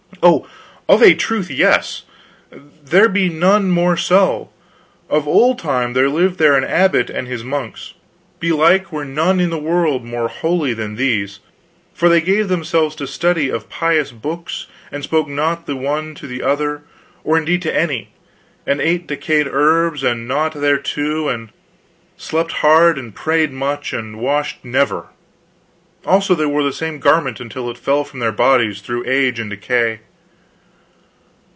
"Oh, of a truth, yes. There be none more so. Of old time there lived there an abbot and his monks. Belike were none in the world more holy than these; for they gave themselves to study of pious books, and spoke not the one to the other, or indeed to any, and ate decayed herbs and naught thereto, and slept hard, and prayed much, and washed never; also they wore the same garment until it fell from their bodies through age and decay.